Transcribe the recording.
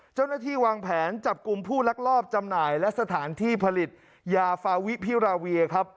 เจ้าหน้าที่วางแผนจับกลุ่มผู้ลักลอบจำหน่ายและสถานที่ผลิตยาฟาวิพิราเวียครับ